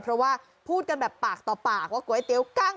เพราะว่าพูดกันแบบปากต่อปากว่าก๋วยเตี๋ยวกั้ง